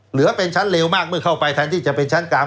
เหลือเป็นชั้นเร็วมากเมื่อเข้าไปแทนที่จะเป็นชั้นกลาง